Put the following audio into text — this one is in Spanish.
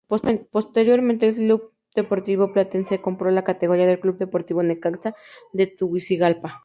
Posteriormente el Club Deportivo Platense compró la categoría del Club Deportivo Necaxa de Tegucigalpa.